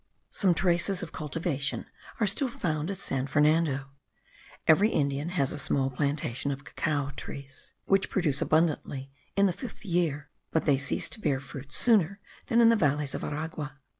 Some traces of cultivation are still found at San Fernando. Every Indian has a small plantation of cacao trees, which produce abundantly in the fifth year; but they cease to bear fruit sooner than in the valleys of Aragua.